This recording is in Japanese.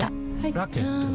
ラケットは？